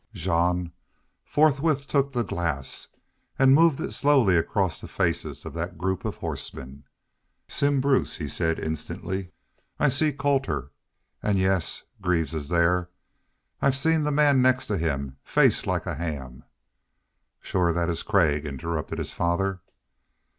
Jean forthwith took the glass and moved it slowly across the faces of that group of horsemen. "Simm Bruce," he said, instantly. "I see Colter. And, yes, Greaves is there. I've seen the man next to him face like a ham...." "Shore that is Craig," interrupted his father.